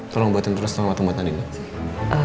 tolong buatin terus tengah matang buat andi mbak